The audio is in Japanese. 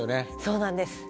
そうなんです。